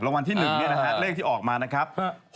รางวัลที่๑ตามที่ออกมานะครับ